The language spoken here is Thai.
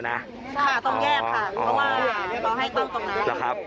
วันที่เจอพ่อวันนั้นก็วันพระ